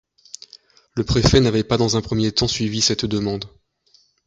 Le préfet n'avait pas dans un premier temps suivi cette demande.